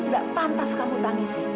tidak pantas kamu tangisi